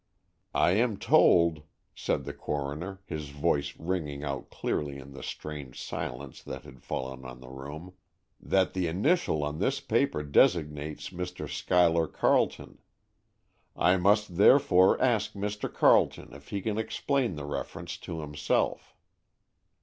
"I am told," said the coroner, his voice ringing out clearly in the strange silence that had fallen on the room, "that the initial on this paper designates Mr. Schuyler Carleton. I must therefore ask Mr. Carleton if he can explain the reference to himself."